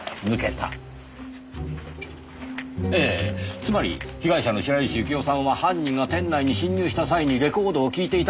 つまり被害者の白石幸生さんは犯人が店内に侵入した際にレコードを聴いていた可能性がある。